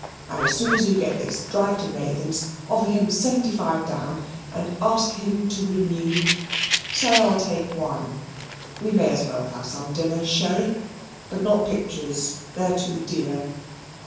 And as soon as you get this, Drive to Nathan's offer him seventy five down, and ASK HIM TO RENEW say I'll take wine we may as well have some dinner sherry; but not PICTURS, they're too dear.